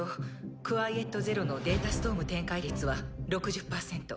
クワイエット・ゼロのデータストーム展開率は６０％。